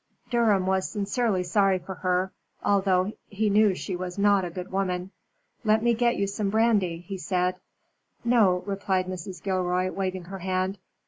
Durham was sincerely sorry for her, although he knew she was not a good woman. "Let me get you some brandy," he said. "No," replied Mrs. Gilroy, waving her hand.